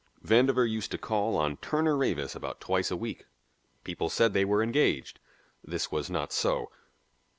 Vandover used to call on Turner Ravis about twice a week; people said they were engaged. This was not so.